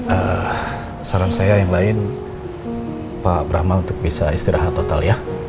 nah saran saya yang lain pak brama untuk bisa istirahat total ya